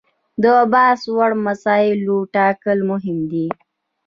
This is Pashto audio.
د بحث وړ مسایلو ټاکل مهم دي.